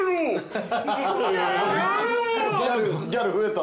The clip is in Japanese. ギャル増えた。